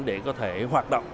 để có thể hoạt động